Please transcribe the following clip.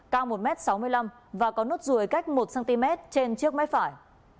cao một m sáu mươi năm và có nốt ruồi cách một cm trên trước mép phải